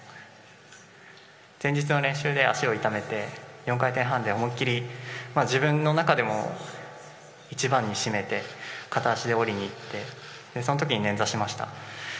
前日の練習で足を痛めて４回転半で思い切り自分の中でも一番に締めて片足で降りにいってその時に捻挫しました。